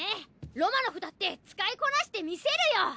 ロマノフだって使いこなしてみせるよ！